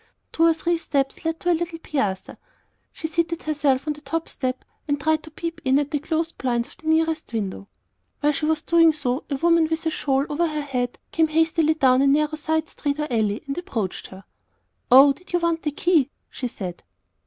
Two or three steps led to a little piazza. She seated herself on the top step, and tried to peep in at the closed blinds of the nearest window. While she was doing so, a woman with a shawl over her head came hastily down a narrow side street or alley, and approached her. "Oh, did you want the key?" she said.